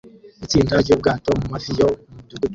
Itsinda ryubwato mumafi yo mumudugudu